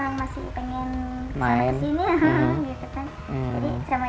orang masih pengen kesana kesini gitu kan